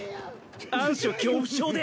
暗所恐怖症で。